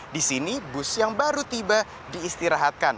di sini bus yang baru tiba diistirahatkan